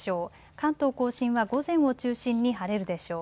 関東甲信は午前を中心に晴れるでしょう。